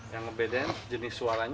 yang membedakan jenis suaranya apa